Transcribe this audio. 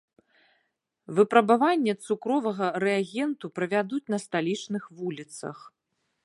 Выпрабаванне цукровага рэагенту правядуць на сталічных вуліцах.